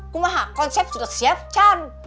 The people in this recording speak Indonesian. kumaha konsep sudah siap can